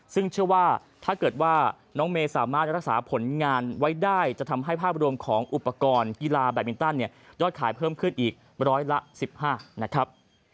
ซึ่งเชื่อว่าถ้าเกิดว่าน้องเมย์สามารถรักษาผลงานไว้ได้จะทำให้ภาพรวมของอุปกรณ์กีฬาแบตมินตันเนี่ยยอดขายเพิ่มขึ้นอีกร้อยละ๑๕นะครับ